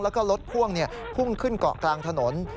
แล้วก็รถพ่วงพุ่งขึ้นเกาะกลางถนน